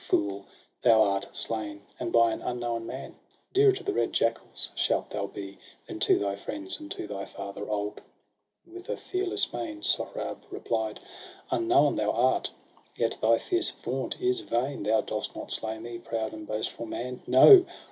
Fool, thou art slain, and by an unknown man ! Dearer to the red jackals shalt thou be Than to thy friends, and to thy father old.' SOHRAB AND RUSTUM. 107 And, with a fearless mien, Sohrab replied :—' Unknown thou art ; yet thy fierce vaunt is vain. Thou dost not slay me, proud and boastful man! No